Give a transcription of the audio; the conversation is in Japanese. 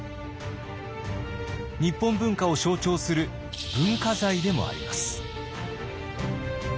日本文化を象徴する文化財でもあります。